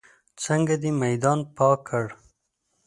څنګه دې میدان پاک کړ.